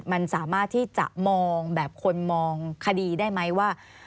มันสามารถที่จะมองแบบคนมองคดีได้ไหมว่า